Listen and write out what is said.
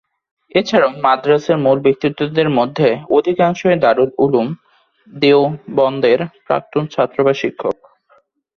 এছাড়াও মাদ্রাসার মূল ব্যক্তিত্বের মধ্যে অধিকাংশই দারুল উলুম দেওবন্দের প্রাক্তন ছাত্র বা শিক্ষক।